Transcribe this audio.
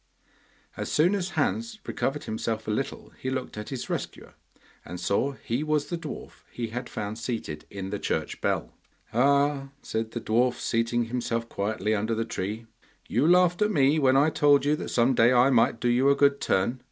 As soon as Hans recovered himself a little he looked at his rescuer, and saw he was the dwarf he had found seated in the church bell. 'Ah!' said the dwarf, seating himself quietly under the tree. 'You laughed at me when I told you that some day I might do you a good turn.